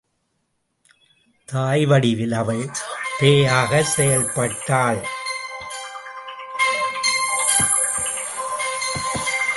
தாய்வடிவில் அவள் பேயாகச் செயல்பட்டாள்.